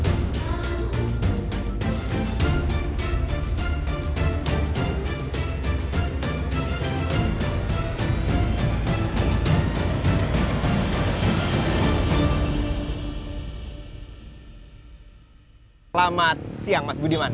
selamat siang mas budiman